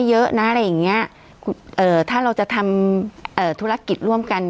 เยอะนะอะไรอย่างเงี้ยเอ่อถ้าเราจะทำเอ่อธุรกิจร่วมกัน